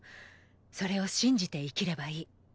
それを信じて生きればいい。